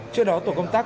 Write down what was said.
trước đó tổ công tác